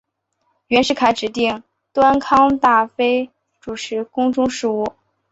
袁世凯指定端康太妃主持宫中事务。